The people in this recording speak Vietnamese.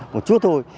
một chút thôi